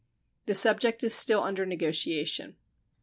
The subject is still under negotiation.